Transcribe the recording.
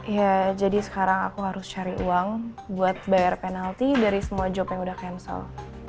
ya jadi sekarang aku harus cari uang buat bayar penalti dari semua job yang udah cancel